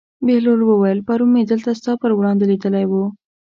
بهلول وویل: پرون مې دلته ستا پر وړاندې لیدلی و.